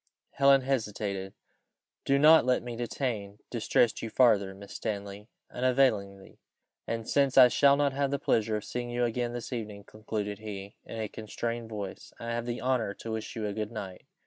Helen hesitated. "Do not let me detain distress you farther, Miss Stanley, unavailingly; and since I shall not have the pleasure of seeing you again this evening," concluded he, in a constrained voice, "I have the honour to wish you a good night."